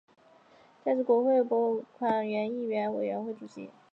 他还是国会拨款委员会和议院委员会主席。